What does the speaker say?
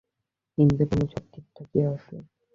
Engine রুমে সব ঠিকঠাকই আছে।